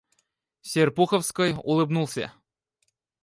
Серпуховской улыбнулся.